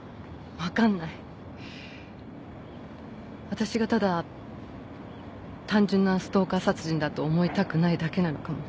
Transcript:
わたしがただ単純なストーカー殺人だと思いたくないだけなのかも。